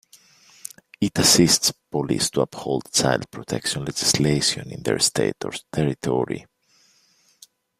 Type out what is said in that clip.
It assists police to uphold child protection legislation in their state or territory.